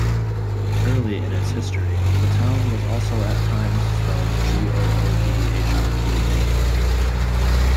Early in its history the town was also at times spelled Goodhope.